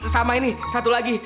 sama ini satu lagi